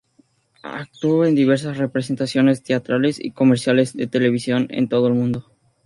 Actuó en diversas representaciones teatrales y comerciales de televisión en todo el mundo.